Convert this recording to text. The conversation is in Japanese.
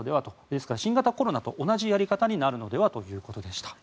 ですから、新型コロナと同じやり方になるのではということでした。